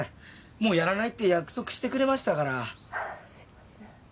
もうやらないって約束してくれましたから。